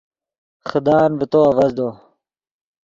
خدان ڤے تو آڤزدو